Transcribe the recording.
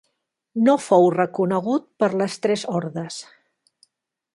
No fou reconegut per les tres hordes.